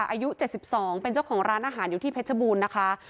อายุ๗๒เป็นเจ้าของร้านอาหารอยู่ที่เพชรบูรณ์นะคะ